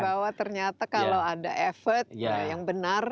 bahwa ternyata kalau ada effort yang benar